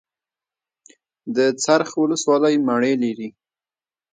د څرخ ولسوالۍ مڼې لري